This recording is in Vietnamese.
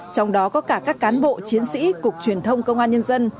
trong đó có cả các cán bộ chiến sĩ cục truyền thông công an nhân dân